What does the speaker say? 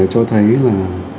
cho thấy là